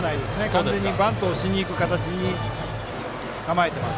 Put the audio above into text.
完全にバントをする形で構えています。